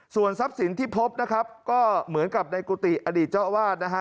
ส่วนทรัพย์สินที่พบนะครับก็เหมือนกับในกุฏิอดีตเจ้าอาวาสนะฮะ